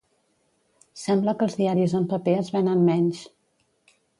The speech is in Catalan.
Sembla que els diaris en paper es venen menys.